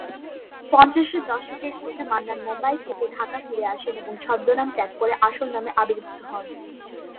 পঞ্চাশের দশকের শেষে মান্নান মুম্বই থেকে ঢাকা ফিরে আসেন এবং ছদ্মনাম ত্যাগ করে আসল নামে আবির্ভূত হন।